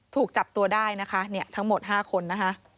ถูกจับตัวได้นะคะทั้งหมด๕คนนะคะ